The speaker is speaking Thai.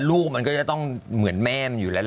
ลูกมันก็จะต้องเหมือนแม่มันอยู่แล้วแหละ